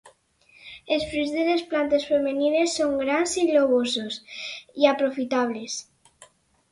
Els fruits de les plantes femenines són grans i globosos, i aprofitables.